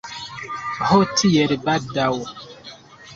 Ho, tiel baldaŭ!